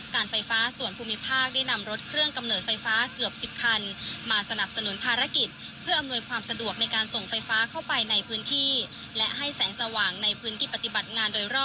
การไฟฟ้าส่วนภูมิภาคได้นำรถเครื่องกำเนิดไฟฟ้าเกือบ๑๐คันมาสนับสนุนภารกิจเพื่ออำนวยความสะดวกในการส่งไฟฟ้าเข้าไปในพื้นที่และให้แสงสว่างในพื้นที่ปฏิบัติงานโดยรอบ